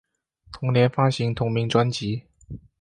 同年发行同名专辑。